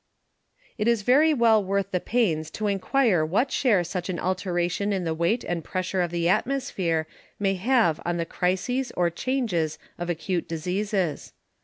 _ It is very well worth the pains to enquire what share such an Alteration in the Weight and Pressure of the Atmosphere may have in the Crises or Changes of Acute Diseases.